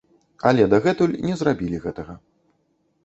Але дагэтуль не зрабілі гэтага.